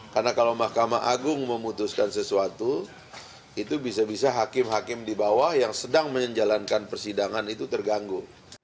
karena kalau mahkamah agung memutuskan sesuatu itu bisa bisa hakim hakim di bawah yang sedang menjalankan persidangan itu terganggu